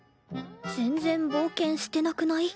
全然冒険してなくない？